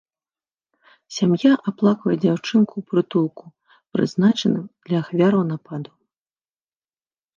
Сям'я аплаквае дзяўчынку ў прытулку, прызначаным для ахвяраў нападу.